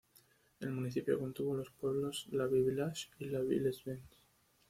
El municipio contuvo los pueblos Lavey-Village y Lavey-les-Bains.